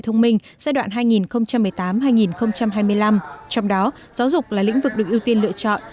thông minh giai đoạn hai nghìn một mươi tám hai nghìn hai mươi năm trong đó giáo dục là lĩnh vực được ưu tiên lựa chọn